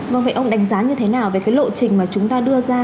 vâng vậy ông đánh giá như thế nào về cái lộ trình mà chúng ta đưa ra